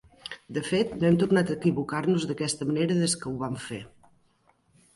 De fet, no hem tornat a equivocar-nos d'aquesta manera des que ho vam fer.